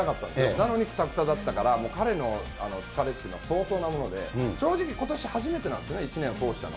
なのにくたくただったから、彼の疲れというのは相当なもので、正直、ことし初めてなんですよね、一年通したの。